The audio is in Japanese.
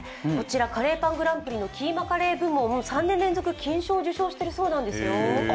カレーパングランプリのキーマカレー部門３年連続金賞を受賞しているそうなんですよ。